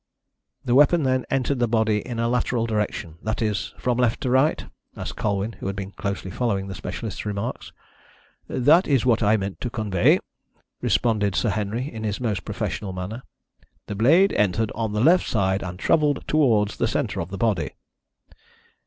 "The weapon, then, entered the body in a lateral direction, that is, from left to right?" asked Colwyn, who had been closely following the specialist's remarks. "That is what I meant to convey," responded Sir Henry, in his most professional manner. "The blade entered on the left side, and travelled towards the centre of the body."